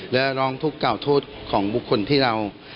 และร้องทุกข์กล่าวโทษของบุคคลที่เรา